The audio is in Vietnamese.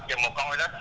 cho mọi người để biết